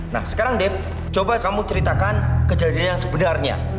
nah sekarang coba kamu ceritakan kejadian yang sebenarnya